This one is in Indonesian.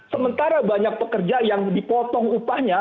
sementara banyak pekerja yang dipotong upahnya